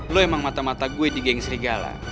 lo emang mata mata gue di geng serigala